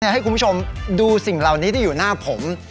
ให้คุณผู้ชมดูสิ่งเหล่านี้ที่อยู่หน้าผม